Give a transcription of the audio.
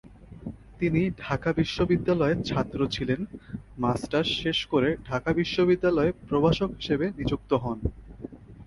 তিনি ঢাকা বিশ্ববিদ্যালয়ের ছাত্র ছিলেন, মাস্টার্স শেষ করে ঢাকা বিশ্ববিদ্যালয়ে প্রভাষক হিসেবে নিযুক্ত হন।